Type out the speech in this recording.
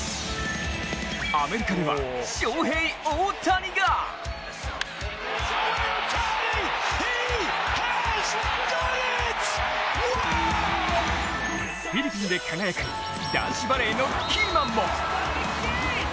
アメリカではショウヘイ・オオタニがフィリピンで輝く男子バレーのキーマンも！